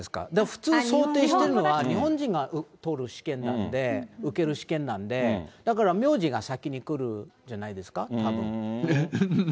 普通、想定しているのは、日本人が取る試験なんで、受ける試験なんで、だから名字が先に来るんじゃないですか、たぶん。